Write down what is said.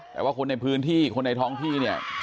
แต่ว่าคนในพื้นที่คนในท้องที่เนี่ย